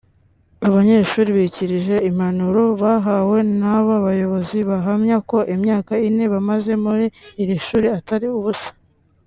Abanyeshuri bikirije impanuro bahawe n’aba bayobozi bahamya ko imyaka ine bamaze muri iri shuri atari ubusa